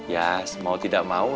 ya mau tidak mau